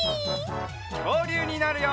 きょうりゅうになるよ！